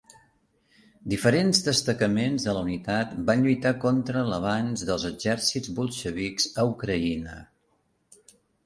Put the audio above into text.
Diferents destacaments de la unitat van lluitar contra l'avanç dels exèrcits bolxevics a Ucraïna.